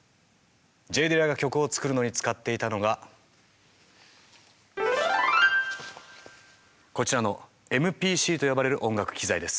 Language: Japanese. Ｊ・ディラが曲を作るのに使っていたのがこちらのＭＰＣと呼ばれる音楽機材です。